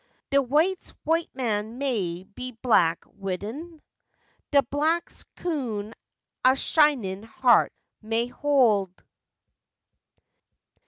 De whites' white man may be black widin, De blackes' coon a shinin' heart may hoi'.